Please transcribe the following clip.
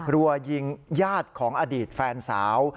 รัวยิงญาติของอดีตแฟนสาว